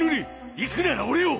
行くなら俺を！